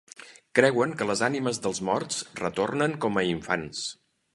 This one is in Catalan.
Creuen que les animes dels morts retornen com a infants.